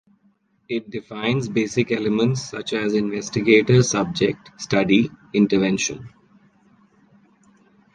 It defines basic elements such as investigator, subject, study, intervention.